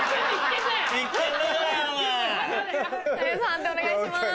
判定お願いします。